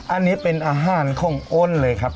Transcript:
อันนี้เป็นอาหารของอ้นเลยครับ